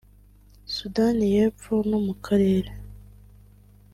Sudani y’Epfo no mu karere